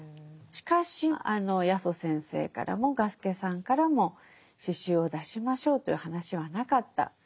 しかしあの八十先生からも雅輔さんからも詩集を出しましょうという話はなかった。